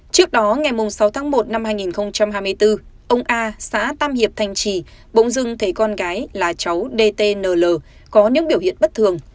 trước đó ngày sáu tháng một năm hai nghìn hai mươi bốn ông a xã tam hiệp thanh trì bỗng dưng thấy con gái là cháu dtnl có những biểu hiện bất thường